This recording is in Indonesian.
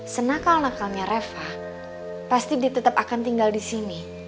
senakal nakalnya reva pasti dia tetap akan tinggal di sini